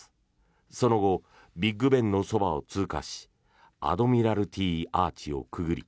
その後ビッグ・ベンのそばを通過しアドミラルティ・アーチをくぐり